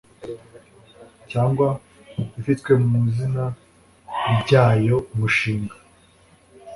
Cyangwa ifitwe mu zina ryayo umushinga